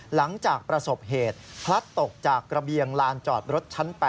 หลังจากประสบเหตุพลัดตกจากระเบียงลานจอดรถชั้น๘